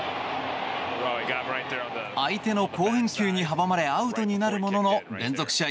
相手の好返球に阻まれアウトになるものの連続試合